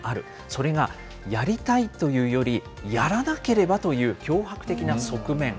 それがやりたいというより、やらなければという強迫的な側面。